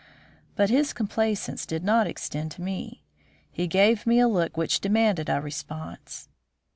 But his complaisance did not extend to me. He gave me a look which demanded a response.